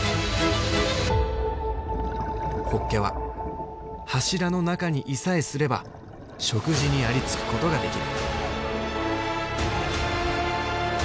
ホッケは柱の中にいさえすれば食事にありつくことができる。